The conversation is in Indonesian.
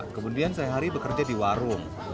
kemudian saya hari bekerja di warung